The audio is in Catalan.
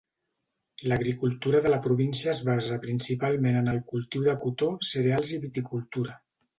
L'agricultura de la província es basa principalment en el cultiu de cotó, cereals i viticultura.